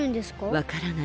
わからない。